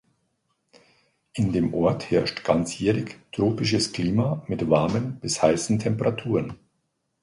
In dem Ort herrscht ganzjährig Tropisches Klima mit warmen bis heißen Temperaturen.